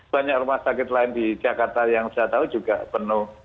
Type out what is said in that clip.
banyak rumah sakit lain di jakarta yang saya tahu juga penuh